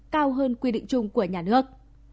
cao hơn quy định chung của nhà nước